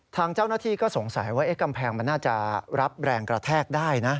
ทางเจ้าหน้าที่ก็สงสัยว่ากำแพงมันน่าจะรับแรงกระแทกได้นะ